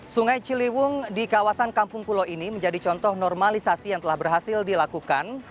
sungai ciliwung di kawasan kampung pulau ini menjadi contoh normalisasi yang telah berhasil dilakukan